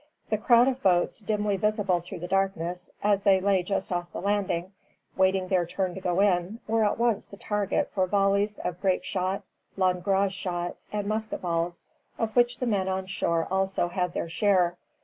The crowd of boats, dimly visible through the darkness, as they lay just off the landing, waiting their turn to go in, were at once the target for volleys of grape shot, langrage shot, and musket balls, of which the men on shore had also their share.